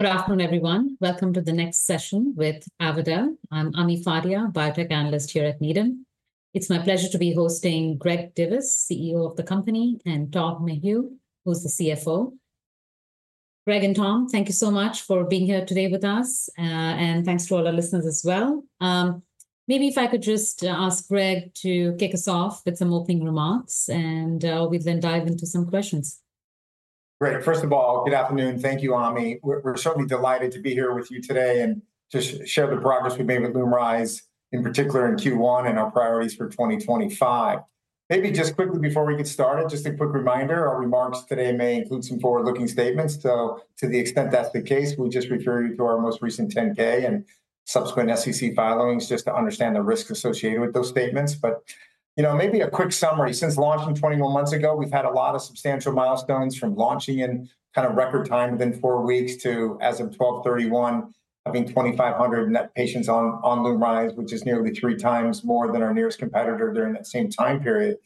Good afternoon, everyone. Welcome to the next session with Avadel. I'm Ami Fadia, Biotech Analyst here at Needham. It's my pleasure to be hosting Greg Divis, CEO of the company, and Tom McHugh, who's the CFO. Greg and Tom, thank you so much for being here today with us, and thanks to all our listeners as well. Maybe if I could just ask Greg to kick us off with some opening remarks, and we'll then dive into some questions. Great. First of all, good afternoon. Thank you, Ami. We're certainly delighted to be here with you today and to share the progress we've made with LUMRYZ, in particular in Q1 and our priorities for 2025. Maybe just quickly before we get started, just a quick reminder, our remarks today may include some forward-looking statements. To the extent that's the case, we just refer you to our most recent 10-K and subsequent SEC filings just to understand the risk associated with those statements. Maybe a quick summary. Since launching 21 months ago, we've had a lot of substantial milestones, from launching in kind of record time within four weeks to, as of 12/31, having 2,500 patients on LUMRYZ, which is nearly three times more than our nearest competitor during that same time period.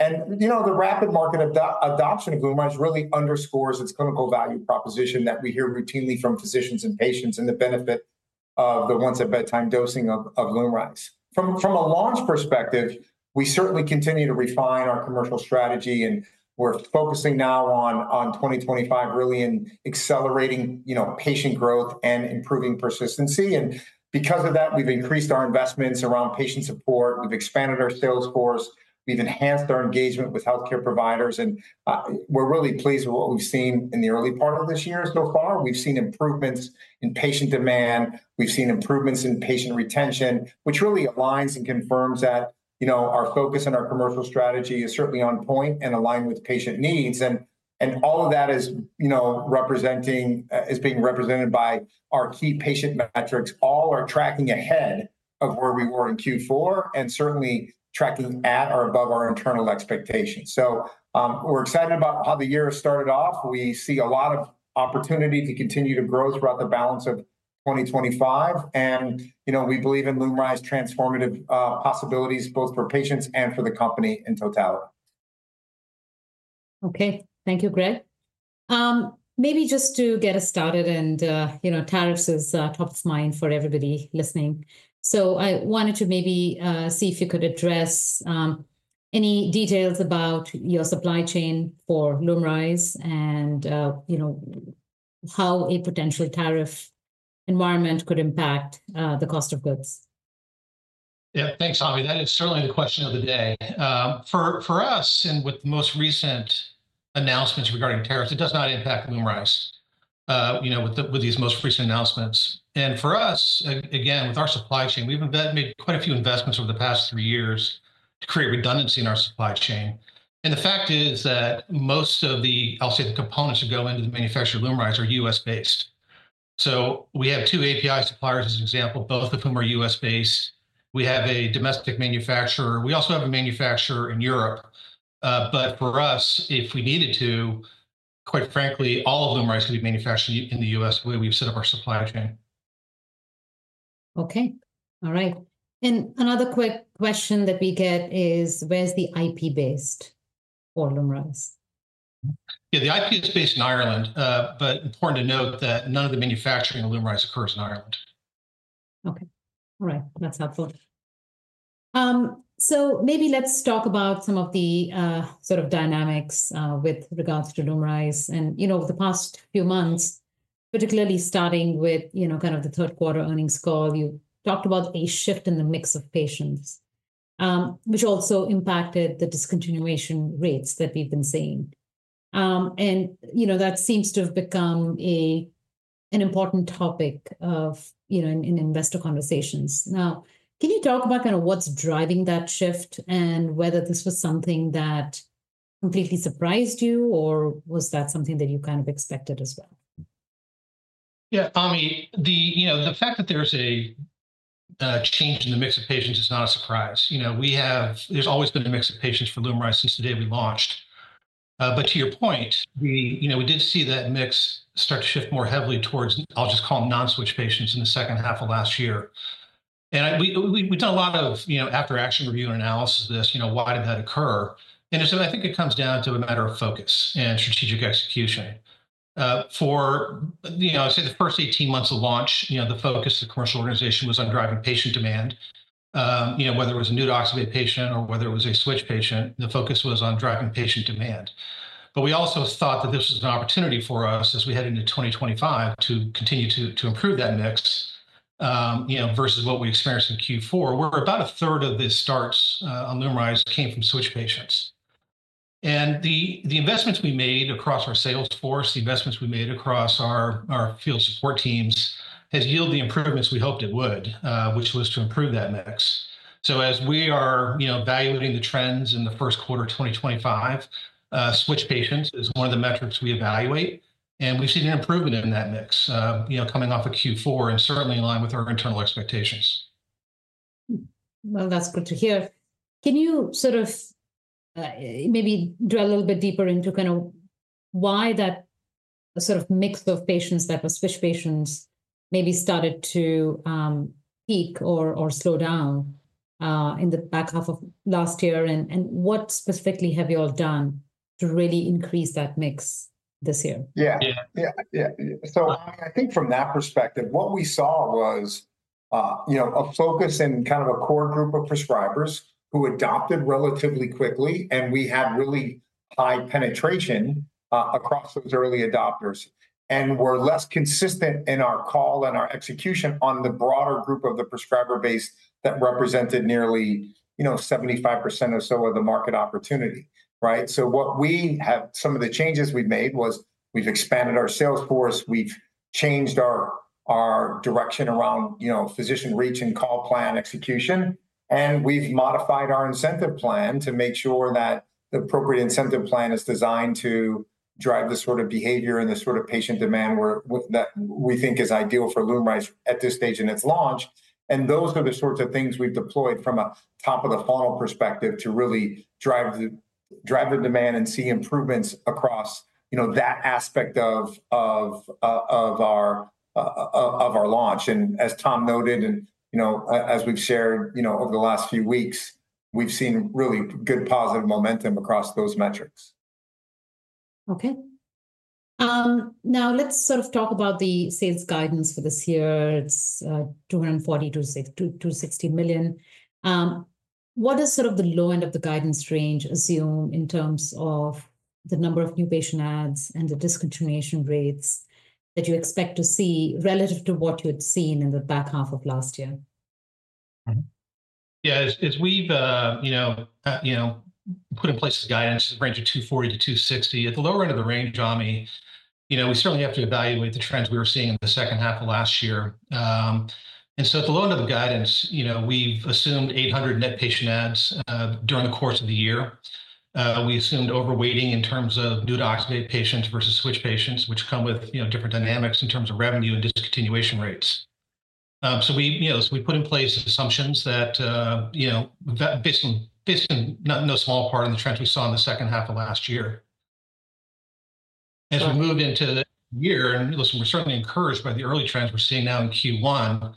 The rapid market adoption of LUMRYZ really underscores its clinical value proposition that we hear routinely from physicians and patients and the benefit of the Once-at-Bedtime dosing of LUMRYZ. From a launch perspective, we certainly continue to refine our commercial strategy, and we're focusing now on 2025 really in accelerating patient growth and improving persistency. Because of that, we've increased our investments around patient support. We've expanded our sales force. We've enhanced our engagement with healthcare providers. We're really pleased with what we've seen in the early part of this year so far. We've seen improvements in patient demand. We've seen improvements in patient retention, which really aligns and confirms that our focus and our commercial strategy is certainly on point and aligned with patient needs. All of that is being represented by our key patient metrics. All are tracking ahead of where we were in Q4 and certainly tracking at or above our internal expectations. We are excited about how the year has started off. We see a lot of opportunity to continue to grow throughout the balance of 2025. We believe in LUMRYZ's transformative possibilities, both for patients and for the company in totality. Okay. Thank you, Greg. Maybe just to get us started, and tariffs is top of mind for everybody listening. I wanted to maybe see if you could address any details about your supply chain for LUMRYZ and how a potential tariff environment could impact the cost of goods. Yeah, thanks, Ami. That is certainly the question of the day. For us, and with the most recent announcements regarding tariffs, it does not impact LUMRYZ with these most recent announcements. For us, again, with our supply chain, we've made quite a few investments over the past three years to create redundancy in our supply chain. The fact is that most of the, I'll say, the components that go into the manufacture of LUMRYZ are U.S.-based. We have two API suppliers, as an example, both of whom are U.S.-based. We have a domestic manufacturer. We also have a manufacturer in Europe. For us, if we needed to, quite frankly, all of LUMRYZ could be manufactured in the U.S. the way we've set up our supply chain. Okay. All right. Another quick question that we get is, where's the IP based for LUMRYZ? Yeah, the IP is based in Ireland, but important to note that none of the manufacturing of LUMRYZ occurs in Ireland. Okay. All right. That's helpful. Maybe let's talk about some of the sort of dynamics with regards to LUMRYZ. Over the past few months, particularly starting with kind of the third quarter earnings call, you talked about a shift in the mix of patients, which also impacted the discontinuation rates that we've been seeing. That seems to have become an important topic in investor conversations. Can you talk about kind of what's driving that shift and whether this was something that completely surprised you, or was that something that you kind of expected as well? Yeah, Ami, the fact that there's a change in the mix of patients is not a surprise. There's always been a mix of patients for LUMRYZ since the day we launched. To your point, we did see that mix start to shift more heavily towards, I'll just call them non-switch patients in the second half of last year. We've done a lot of after-action review and analysis of this. Why did that occur? I think it comes down to a matter of focus and strategic execution. For, I'd say, the first 18 months of launch, the focus of the commercial organization was on driving patient demand. Whether it was a new to oxybate patient or whether it was a switch patient, the focus was on driving patient demand. We also thought that this was an opportunity for us as we head into 2025 to continue to improve that mix versus what we experienced in Q4. Where about a third of the starts on LUMRYZ came from switch patients. The investments we made across our sales force, the investments we made across our field support teams has yielded the improvements we hoped it would, which was to improve that mix. As we are evaluating the trends in the first quarter of 2025, switch patients is one of the metrics we evaluate. We've seen an improvement in that mix coming off of Q4 and certainly in line with our internal expectations. That's good to hear. Can you sort of maybe drill a little bit deeper into kind of why that sort of mix of patients that was switch patients maybe started to peak or slow down in the back half of last year? What specifically have you all done to really increase that mix this year? Yeah. Yeah. Yeah. I think from that perspective, what we saw was a focus in kind of a core group of prescribers who adopted relatively quickly, and we had really high penetration across those early adopters. We were less consistent in our call and our execution on the broader group of the prescriber base that represented nearly 75% or so of the market opportunity. What we have, some of the changes we've made, was we've expanded our sales force. We've changed our direction around physician reach and call plan execution. We've modified our incentive plan to make sure that the appropriate incentive plan is designed to drive the sort of behavior and the sort of patient demand that we think is ideal for LUMRYZ at this stage in its launch. Those are the sorts of things we've deployed from a top-of-the-funnel perspective to really drive the demand and see improvements across that aspect of our launch. As Tom noted, and as we've shared over the last few weeks, we've seen really good positive momentum across those metrics. Okay. Now, let's sort of talk about the sales guidance for this year. It's $240 million-$260 million. What does sort of the low end of the guidance range assume in terms of the number of new patient ads and the discontinuation rates that you expect to see relative to what you had seen in the back half of last year? Yeah. As we've put in place guidance, the range of 240-260. At the lower end of the range, Ami, we certainly have to evaluate the trends we were seeing in the second half of last year. At the low end of the guidance, we've assumed 800 net patient adds during the course of the year. We assumed overweighting in terms of new to oxybate patients versus switch patients, which come with different dynamics in terms of revenue and discontinuation rates. We put in place assumptions that are based in no small part on the trends we saw in the second half of last year. As we moved into the year, and listen, we're certainly encouraged by the early trends we're seeing now in Q1.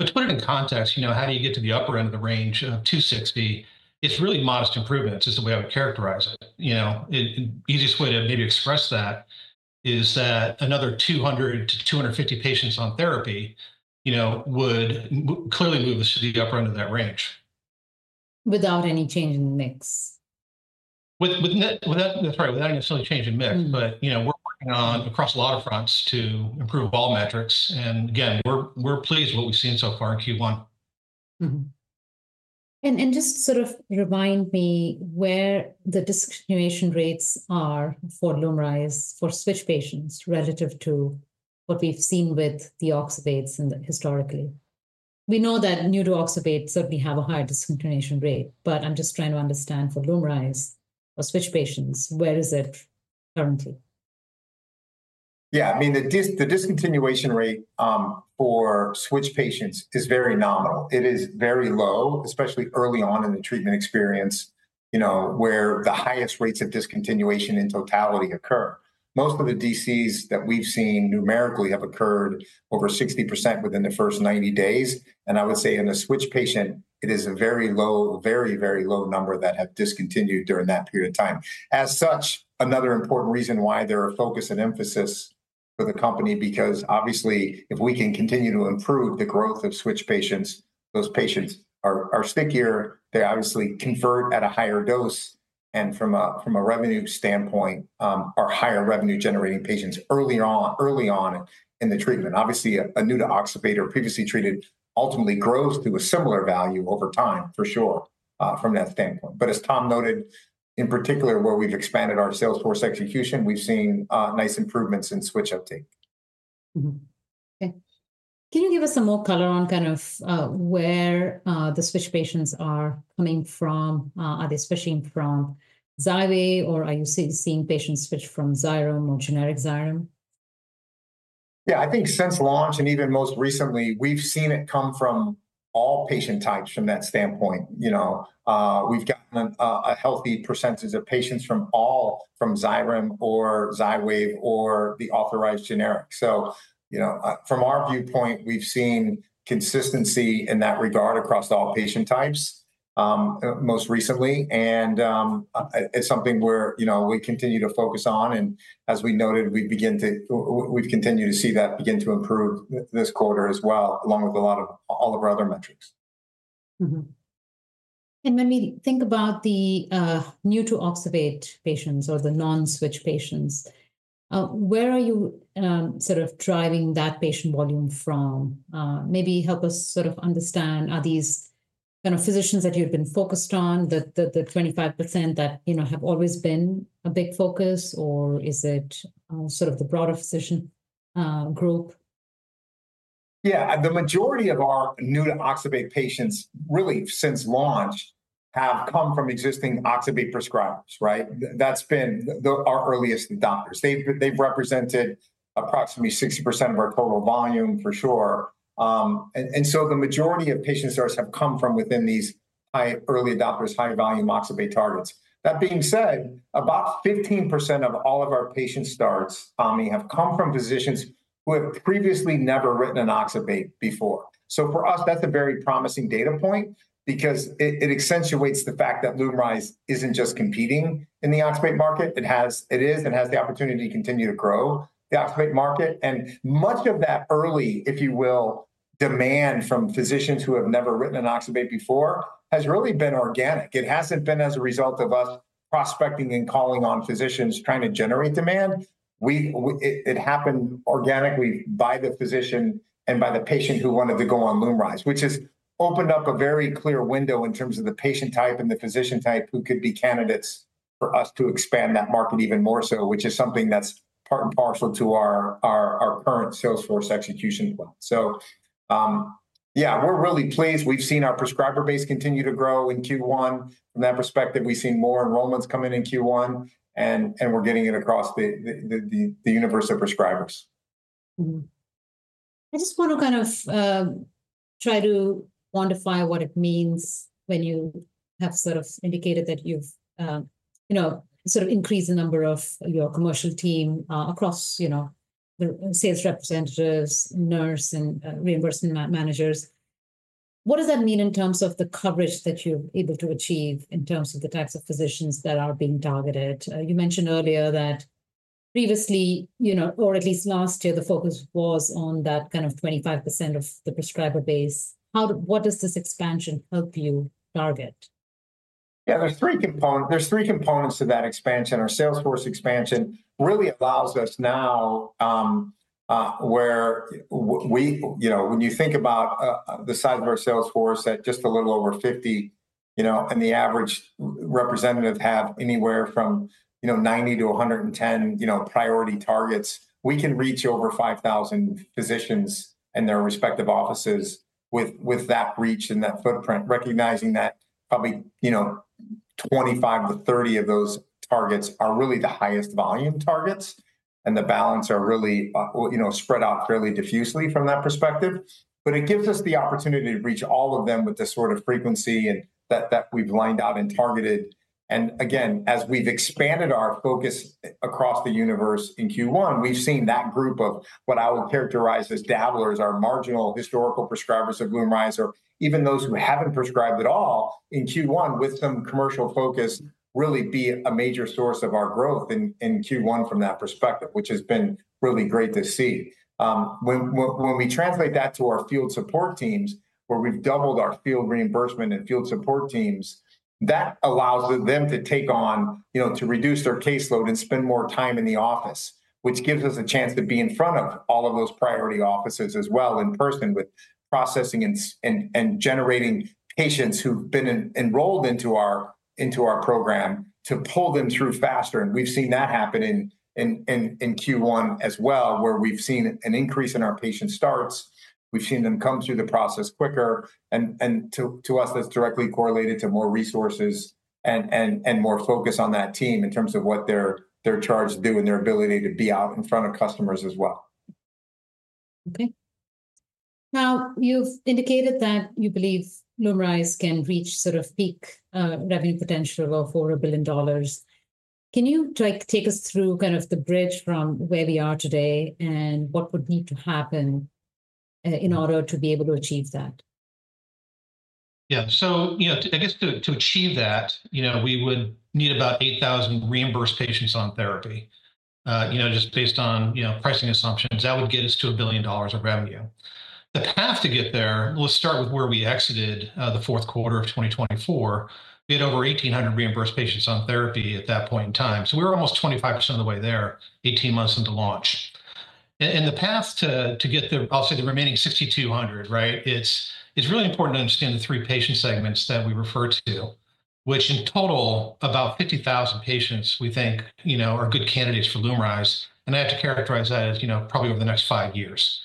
To put it in context, how do you get to the upper end of the range of 260? It's really modest improvements, is the way I would characterize it. The easiest way to maybe express that is that another 200-250 patients on therapy would clearly move us to the upper end of that range. Without any change in the mix? That's right. Without any necessarily change in mix. We're working on across a lot of fronts to improve all metrics. Again, we're pleased with what we've seen so far in Q1. Just sort of remind me where the discontinuation rates are for LUMRYZ for switch patients relative to what we've seen with the oxybates historically. We know that new to oxybate certainly have a higher discontinuation rate, but I'm just trying to understand for LUMRYZ for switch patients, where is it currently? Yeah. I mean, the discontinuation rate for switch patients is very nominal. It is very low, especially early on in the treatment experience where the highest rates of discontinuation in totality occur. Most of the DCs that we've seen numerically have occurred over 60% within the first 90 days. I would say in a switch patient, it is a very low, very, very low number that have discontinued during that period of time. As such, another important reason why there are focus and emphasis for the company, because obviously, if we can continue to improve the growth of switch patients, those patients are stickier. They obviously convert at a higher dose. From a revenue standpoint, are higher revenue-generating patients early on in the treatment. Obviously, a new-to-oxybate or previously treated ultimately grows to a similar value over time, for sure, from that standpoint. As Tom noted, in particular, where we've expanded our sales force execution, we've seen nice improvements in switch uptake. Okay. Can you give us some more color on kind of where the switch patients are coming from? Are they switching from Xywav, or are you seeing patients switch from Xyrem or generic Xyrem? Yeah. I think since launch and even most recently, we've seen it come from all patient types from that standpoint. We've gotten a healthy percentage of patients from all from Xyrem or Xywav or the authorized generic. From our viewpoint, we've seen consistency in that regard across all patient types most recently. It's something where we continue to focus on. As we noted, we've continued to see that begin to improve this quarter as well, along with a lot of all of our other metrics. When we think about the new to oxybate patients or the non-switch patients, where are you sort of driving that patient volume from? Maybe help us sort of understand, are these kind of physicians that you've been focused on, the 25% that have always been a big focus, or is it sort of the broader physician group? Yeah. The majority of our new to oxybate patients really since launch have come from existing oxybate prescribers, right? That's been our earliest adopters. They've represented approximately 60% of our total volume, for sure. The majority of patient starts have come from within these early adopters, high-volume oxybate targets. That being said, about 15% of all of our patient starts, Ami, have come from physicians who have previously never written an oxybate before. For us, that's a very promising data point because it accentuates the fact that LUMRYZ isn't just competing in the oxybate market. It is and has the opportunity to continue to grow the oxybate market. Much of that early, if you will, demand from physicians who have never written an oxybate before has really been organic. It hasn't been as a result of us prospecting and calling on physicians trying to generate demand. It happened organically by the physician and by the patient who wanted to go on LUMRYZ, which has opened up a very clear window in terms of the patient type and the physician type who could be candidates for us to expand that market even more so, which is something that's part and parcel to our current sales force execution as well. Yeah, we're really pleased. We've seen our prescriber base continue to grow in Q1. From that perspective, we've seen more enrollments come in in Q1, and we're getting it across the universe of prescribers. I just want to kind of try to quantify what it means when you have sort of indicated that you've sort of increased the number of your commercial team across the sales representatives, nurse, and reimbursement managers. What does that mean in terms of the coverage that you're able to achieve in terms of the types of physicians that are being targeted? You mentioned earlier that previously, or at least last year, the focus was on that kind of 25% of the prescriber base. What does this expansion help you target? Yeah. There are three components to that expansion. Our sales force expansion really allows us now where when you think about the size of our sales force at just a little over 50, and the average representative has anywhere from 90-110 priority targets, we can reach over 5,000 physicians in their respective offices with that reach and that footprint, recognizing that probably 25-30 of those targets are really the highest volume targets. The balance are really spread out fairly diffusely from that perspective. It gives us the opportunity to reach all of them with the sort of frequency that we've lined out and targeted. As we've expanded our focus across the universe in Q1, we've seen that group of what I would characterize as dabblers, our marginal historical prescribers of LUMRYZ, or even those who haven't prescribed at all in Q1 with some commercial focus, really be a major source of our growth in Q1 from that perspective, which has been really great to see. When we translate that to our field support teams, where we've doubled our field reimbursement and field support teams, that allows them to take on, to reduce their caseload and spend more time in the office, which gives us a chance to be in front of all of those priority offices as well in person with processing and generating patients who've been enrolled into our program to pull them through faster. We have seen that happen in Q1 as well, where we have seen an increase in our patient starts. We have seen them come through the process quicker. To us, that is directly correlated to more resources and more focus on that team in terms of what they are charged to do and their ability to be out in front of customers as well. Okay. Now, you've indicated that you believe LUMRYZ can reach sort of peak revenue potential of $4 billion. Can you take us through kind of the bridge from where we are today and what would need to happen in order to be able to achieve that? Yeah. I guess to achieve that, we would need about 8,000 reimbursed patients on therapy just based on pricing assumptions. That would get us to $1 billion of revenue. The path to get there, let's start with where we exited the fourth quarter of 2024. We had over 1,800 reimbursed patients on therapy at that point in time. We were almost 25% of the way there, 18 months into launch. The path to get the, I'll say, the remaining 6,200, right? It's really important to understand the three patient segments that we refer to, which in total, about 50,000 patients, we think are good candidates for LUMRYZ. I have to characterize that as probably over the next five years.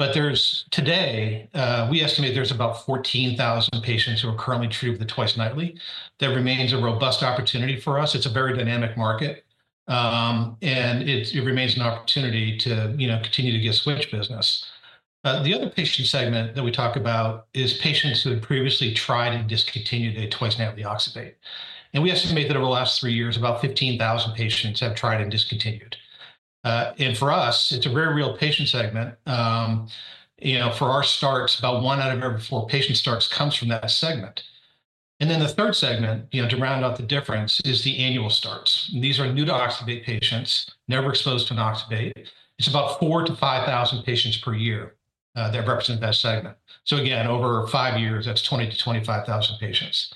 Today, we estimate there's about 14,000 patients who are currently treated with the twice nightly. That remains a robust opportunity for us. It's a very dynamic market. It remains an opportunity to continue to get switch business. The other patient segment that we talk about is patients who had previously tried and discontinued a twice nightly oxybate. We estimate that over the last three years, about 15,000 patients have tried and discontinued. For us, it's a very real patient segment. For our starts, about one out of every four patient starts comes from that segment. The third segment, to round out the difference, is the annual starts. These are new to oxybate patients, never exposed to an oxybate. It's about 4,000-5,000 patients per year that represent that segment. Again, over five years, that's 20,000-25,000 patients.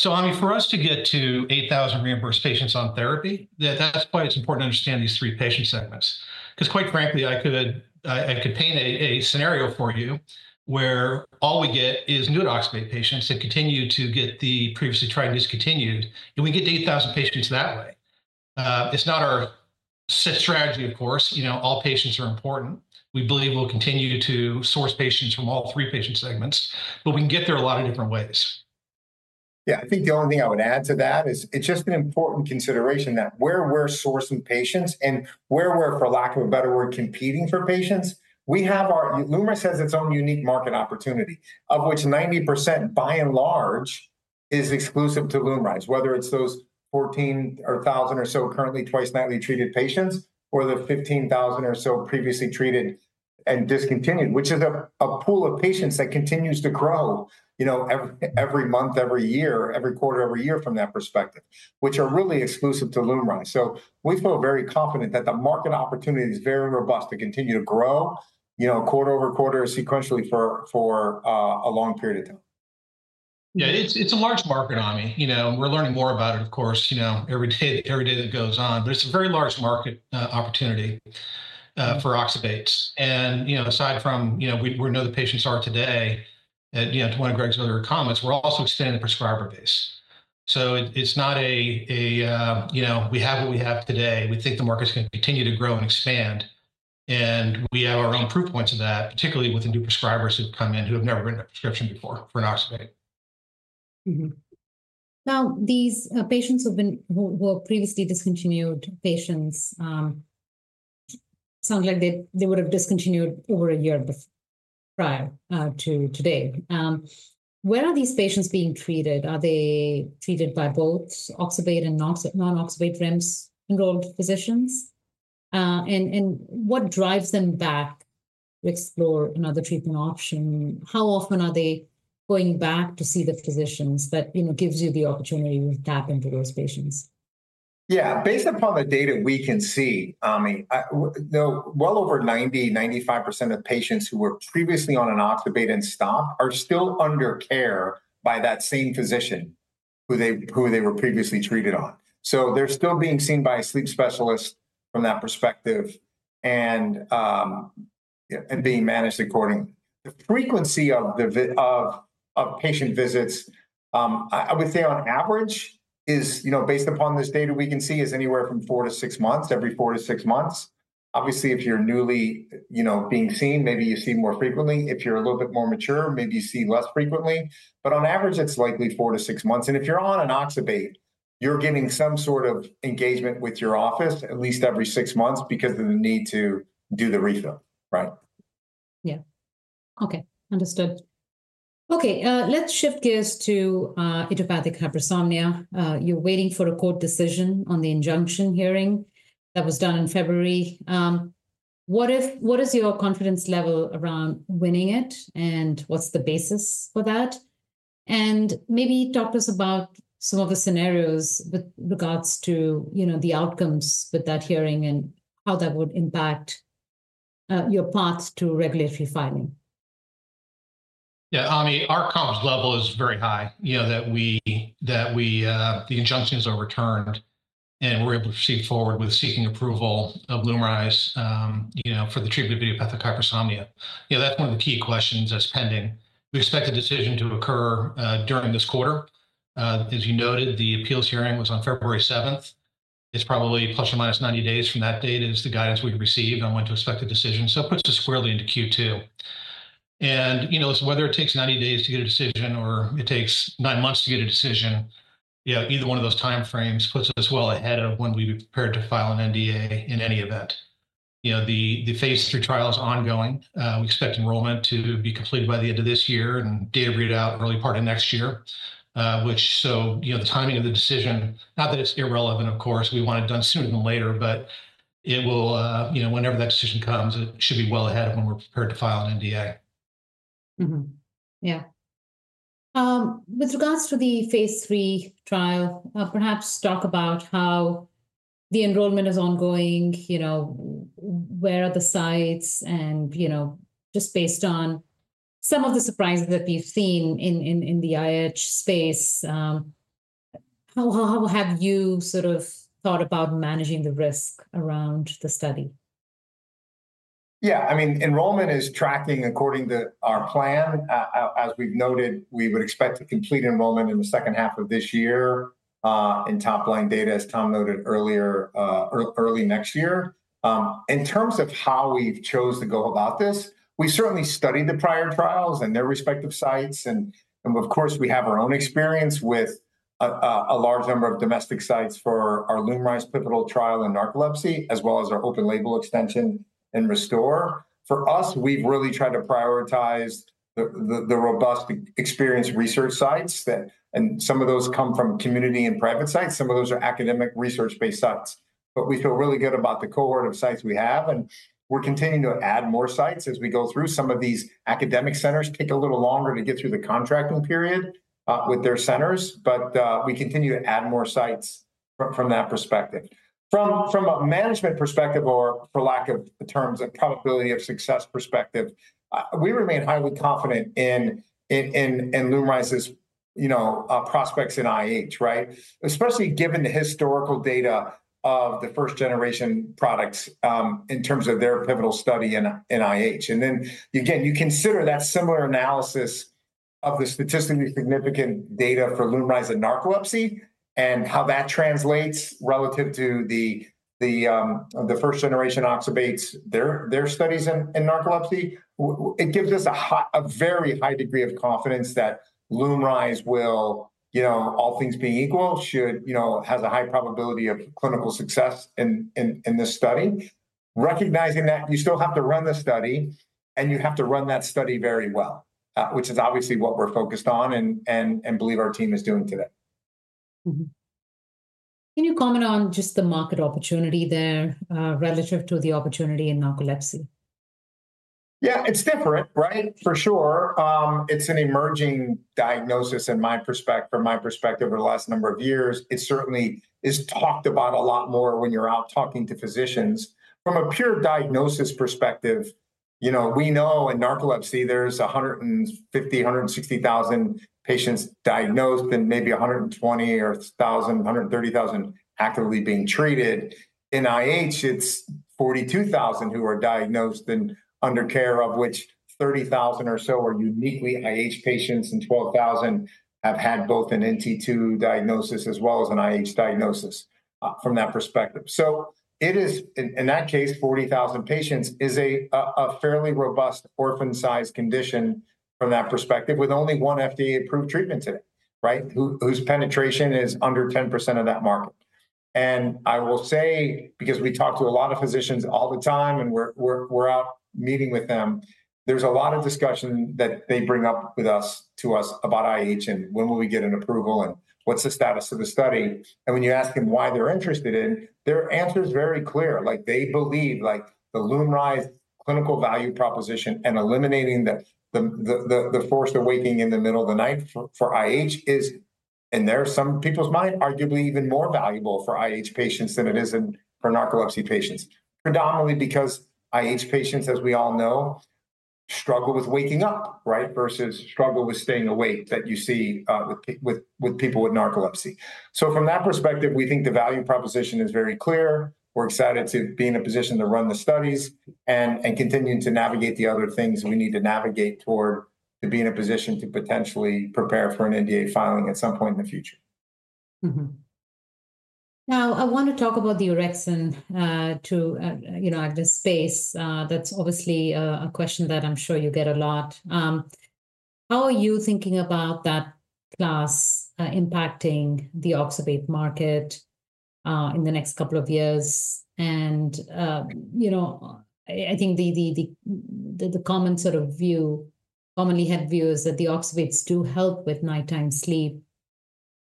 For us to get to 8,000 reimbursed patients on therapy, that's why it's important to understand these three patient segments. Because quite frankly, I could paint a scenario for you where all we get is new to oxybate patients that continue to get the previously tried and discontinued, and we get 8,000 patients that way. It is not our strategy, of course. All patients are important. We believe we will continue to source patients from all three patient segments. We can get there a lot of different ways. Yeah. I think the only thing I would add to that is it's just an important consideration that where we're sourcing patients and where we're, for lack of a better word, competing for patients, LUMRYZ has its own unique market opportunity, of which 90% by and large is exclusive to LUMRYZ, whether it's those 14,000 or so currently twice nightly treated patients or the 15,000 or so previously treated and discontinued, which is a pool of patients that continues to grow every month, every year, every quarter, every year from that perspective, which are really exclusive to LUMRYZ. We feel very confident that the market opportunity is very robust to continue to grow quarter over quarter sequentially for a long period of time. Yeah. It's a large market, Ami. We're learning more about it, of course, every day that goes on. It's a very large market opportunity for oxybates. Aside from where we know the patients are today, to one of Greg's earlier comments, we're also extending the prescriber base. So it's not a we have what we have today. We think the market's going to continue to grow and expand. And we have our own proof points of that, particularly with the new prescribers who come in who have never written a prescription before for an oxybate. Now, these patients who were previously discontinued patients, it sounds like they would have discontinued over a year prior to today. Where are these patients being treated? Are they treated by both oxybate and non-oxybate re-enrolled physicians? What drives them back to explore another treatment option? How often are they going back to see the physicians that gives you the opportunity to tap into those patients? Yeah. Based upon the data we can see, Ami, well over 90-95% of patients who were previously on an oxybate and stop are still under care by that same physician who they were previously treated on. So they're still being seen by a sleep specialist from that perspective and being managed accordingly. The frequency of patient visits, I would say on average, based upon this data we can see, is anywhere from four to six months, every four to six months. Obviously, if you're newly being seen, maybe you see more frequently. If you're a little bit more mature, maybe you see less frequently. But on average, it's likely four to six months. And if you're on an oxybate, you're getting some sort of engagement with your office at least every six months because of the need to do the refill, right? Yeah. Okay. Understood. Okay. Let's shift gears to idiopathic hypersomnia. You're waiting for a court decision on the injunction hearing that was done in February. What is your confidence level around winning it, and what's the basis for that? Maybe talk to us about some of the scenarios with regards to the outcomes with that hearing and how that would impact your path to regulatory filing. Yeah. Ami, our confidence level is very high that the injunction is overturned and we're able to proceed forward with seeking approval of LUMRYZ for the treatment of idiopathic hypersomnia. That's one of the key questions that's pending. We expect a decision to occur during this quarter. As you noted, the appeals hearing was on February 7th. It's probably plus or minus 90 days from that date is the guidance we've received on when to expect a decision. It puts us squarely into Q2. Whether it takes 90 days to get a decision or it takes nine months to get a decision, either one of those time frames puts us well ahead of when we'd be prepared to file an NDA in any event. The Phase III trial is ongoing. We expect enrollment to be completed by the end of this year and data readout early part of next year, which, the timing of the decision, not that it's irrelevant, of course. We want it done sooner than later, but whenever that decision comes, it should be well ahead of when we're prepared to file an NDA. Yeah. With regards to the Phase III trial, perhaps talk about how the enrollment is ongoing, where are the sites, and just based on some of the surprises that we've seen in the IH space, how have you sort of thought about managing the risk around the study? Yeah. I mean, enrollment is tracking according to our plan. As we've noted, we would expect to complete enrollment in the second half of this year and top line data, as Tom noted earlier, early next year. In terms of how we've chosen to go about this, we certainly studied the prior trials and their respective sites. Of course, we have our own experience with a large number of domestic sites for our LUMRYZ pivotal trial in narcolepsy, as well as our open label extension in RESTORE. For us, we've really tried to prioritize the robust experience research sites. Some of those come from community and private sites. Some of those are academic research-based sites. We feel really good about the cohort of sites we have. We're continuing to add more sites as we go through. Some of these academic centers take a little longer to get through the contracting period with their centers. We continue to add more sites from that perspective. From a management perspective or for lack of terms, a probability of success perspective, we remain highly confident in LUMRYZ's prospects in IH, right? Especially given the historical data of the first-generation products in terms of their pivotal study in IH. You consider that similar analysis of the statistically significant data for LUMRYZ in narcolepsy and how that translates relative to the first-generation oxybates, their studies in narcolepsy. It gives us a very high degree of confidence that LUMRYZ, all things being equal, has a high probability of clinical success in this study, recognizing that you still have to run the study, and you have to run that study very well, which is obviously what we're focused on and believe our team is doing today. Can you comment on just the market opportunity there relative to the opportunity in narcolepsy? Yeah. It's different, right? For sure. It's an emerging diagnosis from my perspective over the last number of years. It certainly is talked about a lot more when you're out talking to physicians. From a pure diagnosis perspective, we know in narcolepsy, there's 150,000-160,000 patients diagnosed and maybe 120,000-130,000 actively being treated. In IH, it's 42,000 who are diagnosed and under care, of which 30,000 or so are uniquely IH patients and 12,000 have had both an NT2 diagnosis as well as an IH diagnosis from that perspective. In that case, 40,000 patients is a fairly robust orphan-sized condition from that perspective with only one FDA-approved treatment today, right? Whose penetration is under 10% of that market. I will say, because we talk to a lot of physicians all the time and we're out meeting with them, there's a lot of discussion that they bring up to us about IH and when will we get an approval and what's the status of the study. When you ask them why they're interested in, their answer is very clear. They believe the LUMRYZ clinical value proposition and eliminating the forced awaking in the middle of the night for IH is, in some people's mind, arguably even more valuable for IH patients than it is for narcolepsy patients, predominantly because IH patients, as we all know, struggle with waking up, right, versus struggle with staying awake that you see with people with narcolepsy. From that perspective, we think the value proposition is very clear. We're excited to be in a position to run the studies and continue to navigate the other things we need to navigate toward to be in a position to potentially prepare for an NDA filing at some point in the future. Now, I want to talk about the direction to have this space. That's obviously a question that I'm sure you get a lot. How are you thinking about that class impacting the oxybate market in the next couple of years? I think the common sort of view, commonly had view is that the oxybates do help with nighttime sleep.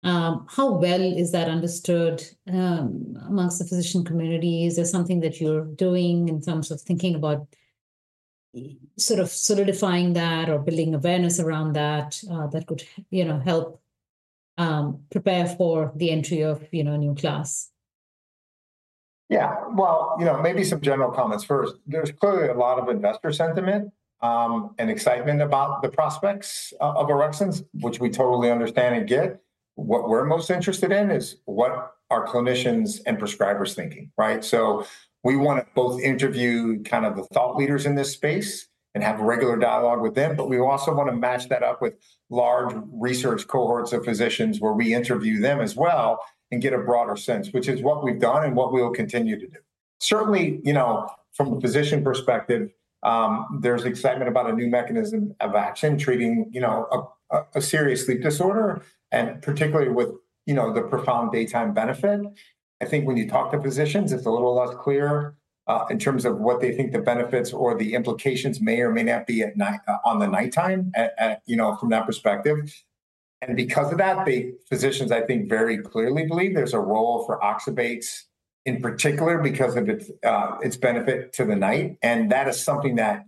How well is that understood amongst the physician community? Is there something that you're doing in terms of thinking about sort of solidifying that or building awareness around that that could help prepare for the entry of a new class? Yeah. Maybe some general comments first. There's clearly a lot of investor sentiment and excitement about the prospects of orexin receptor agonists, which we totally understand and get. What we're most interested in is what are clinicians and prescribers thinking, right? We want to both interview kind of the thought leaders in this space and have a regular dialogue with them, but we also want to match that up with large research cohorts of physicians where we interview them as well and get a broader sense, which is what we've done and what we will continue to do. Certainly, from a physician perspective, there's excitement about a new mechanism of action treating a serious sleep disorder, and particularly with the profound daytime benefit. I think when you talk to physicians, it's a little less clear in terms of what they think the benefits or the implications may or may not be on the nighttime from that perspective. Because of that, physicians, I think, very clearly believe there's a role for oxybates in particular because of its benefit to the night. That is something that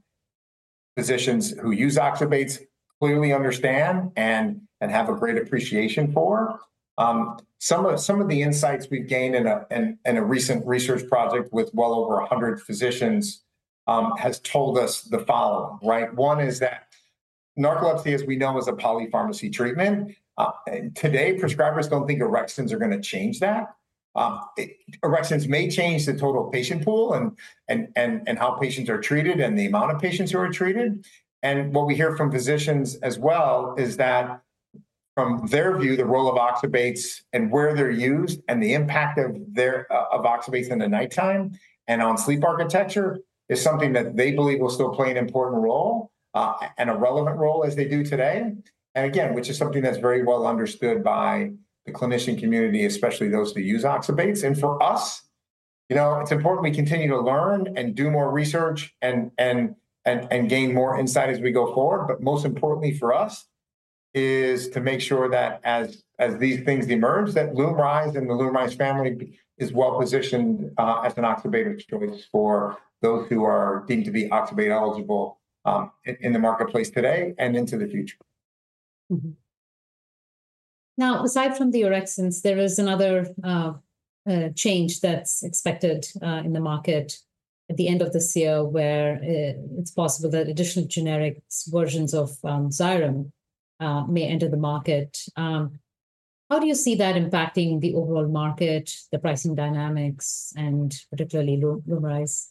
physicians who use oxybates clearly understand and have a great appreciation for. Some of the insights we've gained in a recent research project with well over 100 physicians has told us the following, right? One is that narcolepsy, as we know, is a polypharmacy treatment. Today, prescribers don't think orexin receptor agonists are going to change that. Orexin receptor agonists may change the total patient pool and how patients are treated and the amount of patients who are treated. What we hear from physicians as well is that from their view, the role of oxybates and where they're used and the impact of oxybates in the nighttime and on sleep architecture is something that they believe will still play an important role and a relevant role as they do today. Again, which is something that's very well understood by the clinician community, especially those who use oxybates. For us, it's important we continue to learn and do more research and gain more insight as we go forward. Most importantly for us is to make sure that as these things emerge, that LUMRYZ and the LUMRYZ family is well positioned as an oxybate of choice for those who are deemed to be oxybate-eligible in the marketplace today and into the future. Now, aside from the orexins, there is another change that's expected in the market at the end of this year where it's possible that additional generic versions of Xyrem may enter the market. How do you see that impacting the overall market, the pricing dynamics, and particularly LUMRYZ?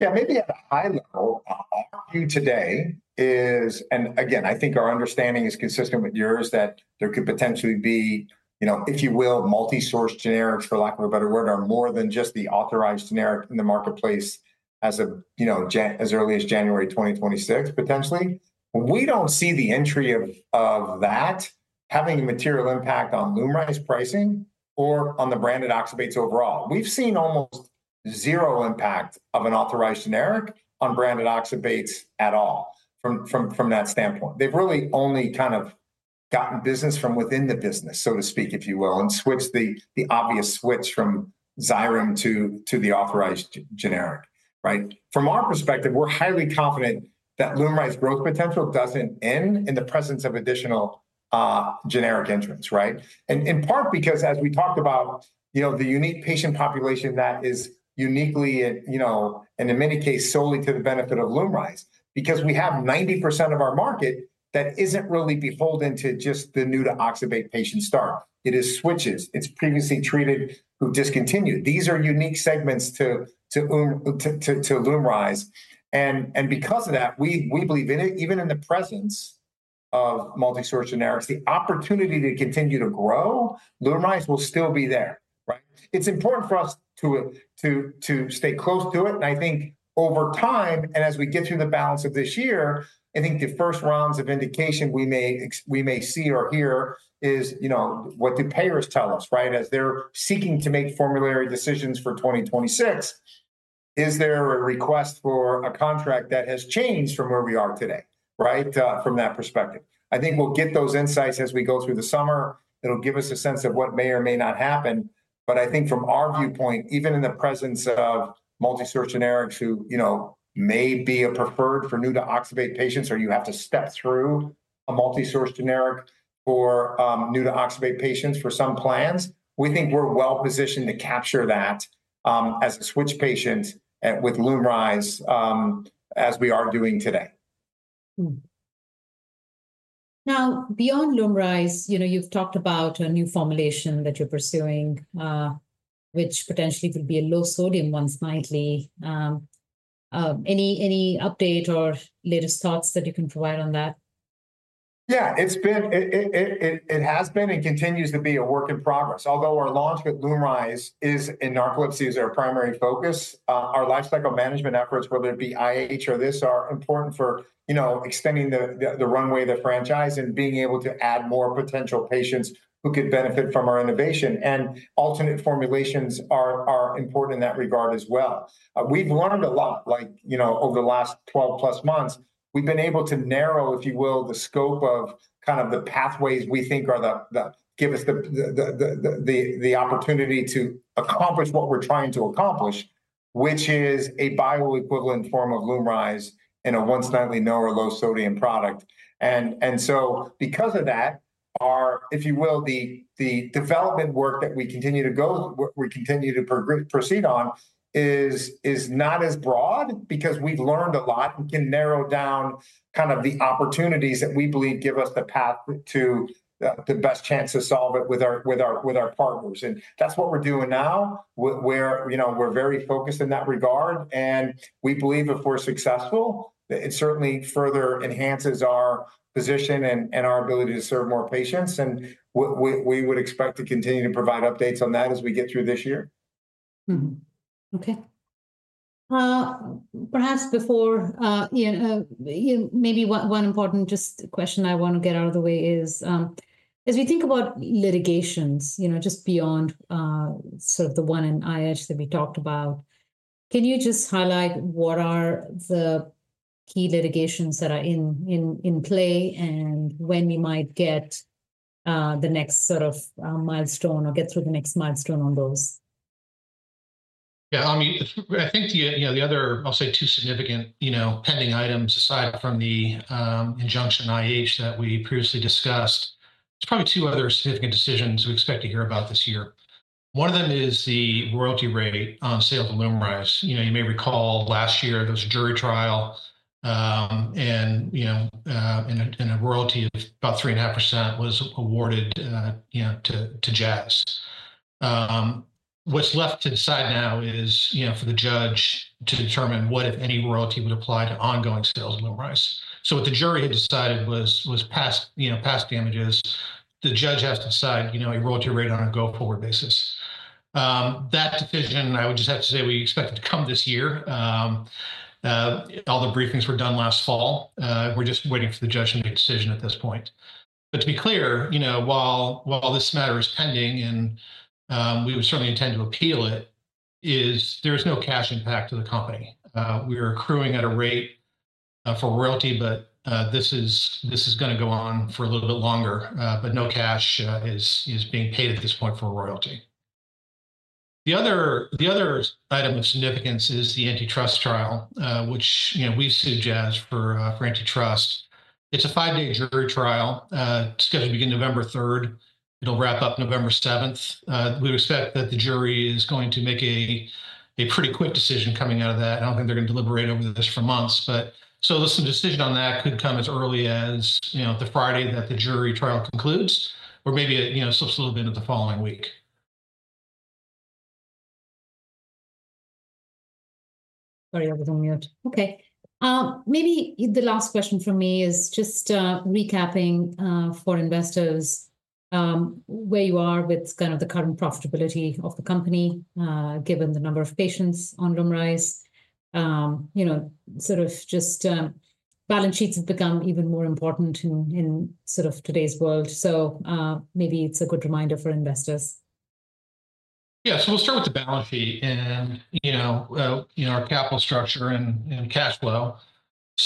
Yeah. Maybe at a high level, our view today is, and again, I think our understanding is consistent with yours, that there could potentially be, if you will, multi-source generics, for lack of a better word, or more than just the authorized generic in the marketplace as early as January 2026, potentially. We do not see the entry of that having a material impact on LUMRYZ pricing or on the branded oxybates overall. We have seen almost zero impact of an authorized generic on branded oxybates at all from that standpoint. They have really only kind of gotten business from within the business, so to speak, if you will, and switched the obvious switch from Xyrem to the authorized generic, right? From our perspective, we are highly confident that LUMRYZ's growth potential does not end in the presence of additional generic entrants, right? In part because, as we talked about, the unique patient population that is uniquely and in many cases solely to the benefit of LUMRYZ, because we have 90% of our market that isn't really beholden to just the new-to-oxybate patient start. It is switches. It's previously treated who discontinued. These are unique segments to LUMRYZ. Because of that, we believe in it, even in the presence of multi-source generics, the opportunity to continue to grow, LUMRYZ will still be there, right? It's important for us to stay close to it. I think over time, and as we get through the balance of this year, I think the first rounds of indication we may see or hear is what do payers tell us, right? As they're seeking to make formulary decisions for 2026, is there a request for a contract that has changed from where we are today, right, from that perspective? I think we'll get those insights as we go through the summer. It'll give us a sense of what may or may not happen. I think from our viewpoint, even in the presence of multi-source generics who may be a preferred for new-to-oxybate patients or you have to step through a multi-source generic for new-to-oxybate patients for some plans, we think we're well positioned to capture that as a switch patient with LUMRYZ as we are doing today. Now, beyond LUMRYZ, you've talked about a new formulation that you're pursuing, which potentially could be a low-sodium once nightly. Any update or latest thoughts that you can provide on that? Yeah. It has been and continues to be a work in progress. Although our launch with LUMRYZ is in narcolepsy as our primary focus, our lifecycle management efforts, whether it be IH or this, are important for extending the runway, the franchise, and being able to add more potential patients who could benefit from our innovation. Alternate formulations are important in that regard as well. We've learned a lot. Over the last 12-plus months, we've been able to narrow, if you will, the scope of kind of the pathways we think give us the opportunity to accomplish what we're trying to accomplish, which is a bioequivalent form of LUMRYZ in a once-nightly no or low-sodium product. Because of that, if you will, the development work that we continue to proceed on is not as broad because we've learned a lot. We can narrow down kind of the opportunities that we believe give us the path to the best chance to solve it with our partners. That is what we are doing now. We are very focused in that regard. We believe if we are successful, it certainly further enhances our position and our ability to serve more patients. We would expect to continue to provide updates on that as we get through this year. Okay. Perhaps before, maybe one important just question I want to get out of the way is, as we think about litigations just beyond sort of the one in IH that we talked about, can you just highlight what are the key litigations that are in play and when we might get the next sort of milestone or get through the next milestone on those? Yeah. I mean, I think the other, I'll say, two significant pending items aside from the injunction IH that we previously discussed, there's probably two other significant decisions we expect to hear about this year. One of them is the royalty rate on sale of LUMRYZ. You may recall last year, there was a jury trial, and a royalty of about 3.5% was awarded to Jazz. What's left to decide now is for the judge to determine what, if any, royalty would apply to ongoing sales of LUMRYZ. What the jury had decided was past damages. The judge has to decide a royalty rate on a go-forward basis. That decision, I would just have to say, we expect it to come this year. All the briefings were done last fall. We're just waiting for the judge to make a decision at this point. To be clear, while this matter is pending and we would certainly intend to appeal it, there is no cash impact to the company. We are accruing at a rate for royalty, but this is going to go on for a little bit longer. No cash is being paid at this point for royalty. The other item of significance is the antitrust trial, which we've sued Jazz for antitrust. It is a five-day jury trial. It is scheduled to begin November 3rd. It will wrap up November 7th. We expect that the jury is going to make a pretty quick decision coming out of that. I do not think they are going to deliberate over this for months. Some decision on that could come as early as the Friday that the jury trial concludes or maybe a little bit of the following week. Sorry, I was on mute. Okay. Maybe the last question for me is just recapping for investors where you are with kind of the current profitability of the company given the number of patients on LUMRYZ. Sort of just balance sheets have become even more important in sort of today's world. Maybe it's a good reminder for investors. Yeah. We'll start with the balance sheet and our capital structure and cash flow.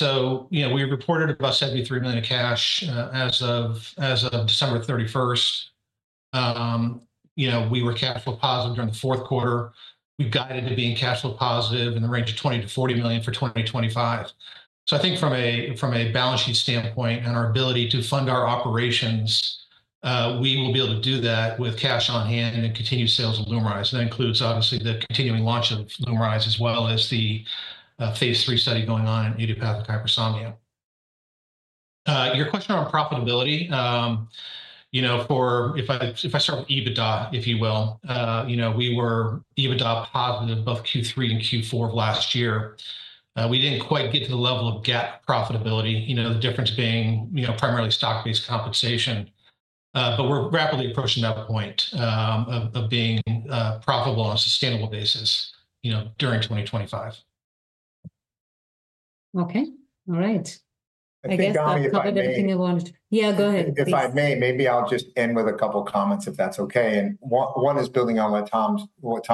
We reported about $73 million in cash as of December 31st. We were cash flow positive during the fourth quarter. We've guided to being cash flow positive in the range of $20 million-$40 million for 2025. I think from a balance sheet standpoint and our ability to fund our operations, we will be able to do that with cash on hand and continued sales of LUMRYZ. That includes, obviously, the continuing launch of LUMRYZ as well as the Phase III study going on in idiopathic hypersomnia. Your question around profitability, if I start with EBITDA, if you will, we were EBITDA positive both Q3 and Q4 of last year. We did not quite get to the level of GAAP profitability, the difference being primarily stock-based compensation. We're rapidly approaching that point of being profitable on a sustainable basis during 2025. Okay. All right. I guess I covered everything I wanted to. Yeah, go ahead. If I may, maybe I'll just end with a couple of comments if that's okay. One is building on what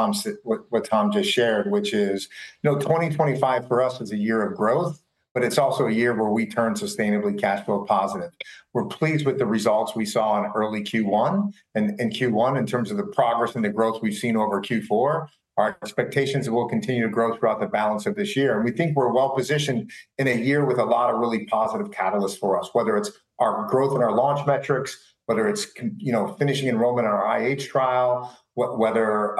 Tom just shared, which is 2025 for us is a year of growth, but it's also a year where we turn sustainably cash flow positive. We're pleased with the results we saw in early Q1. Q1, in terms of the progress and the growth we've seen over Q4, our expectations will continue to grow throughout the balance of this year. We think we're well positioned in a year with a lot of really positive catalysts for us, whether it's our growth in our launch metrics, whether it's finishing enrollment in our IH trial, whether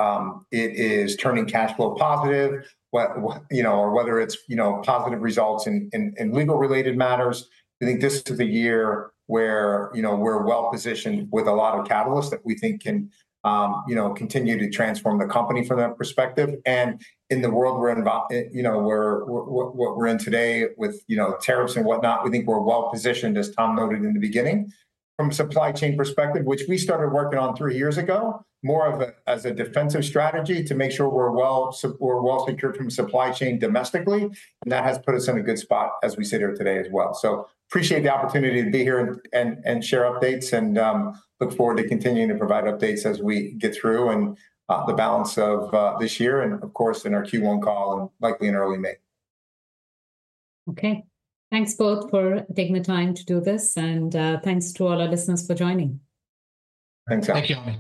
it is turning cash flow positive, or whether it's positive results in legal-related matters. We think this is the year where we're well positioned with a lot of catalysts that we think can continue to transform the company from that perspective. In the world we're in today with tariffs and whatnot, we think we're well positioned, as Tom noted in the beginning, from a supply chain perspective, which we started working on three years ago more as a defensive strategy to make sure we're well secured from supply chain domestically. That has put us in a good spot as we sit here today as well. I appreciate the opportunity to be here and share updates and look forward to continuing to provide updates as we get through the balance of this year and, of course, in our Q1 call and likely in early May. Okay. Thanks both for taking the time to do this. Thanks to all our listeners for joining. Thanks, Ami. Thank you.